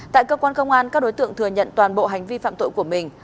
tại cơ quan công an các đối tượng thừa nhận toàn bộ hành vi phạm tội của mình